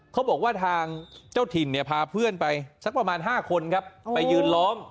เขาบอกว่าทางเจ้าถิ่นเนี่ยพาเพื่อนไปสักประมาณ๕คนครับไปยืนล้อม